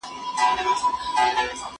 سر یې کښته ځړولی وو تنها وو